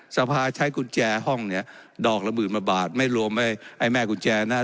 สภาใช้กุญแจห้องเนี่ยดอกละหมื่นกว่าบาทไม่รวมไว้ไอ้แม่กุญแจนะ